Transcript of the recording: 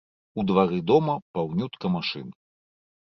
У двары дома паўнютка машын.